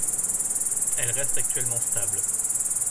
Elle reste actuellement stable.